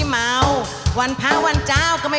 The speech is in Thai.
จะถ่ำจะดอยจะผวยที่ไหนน้ำกลิ่นบ่มี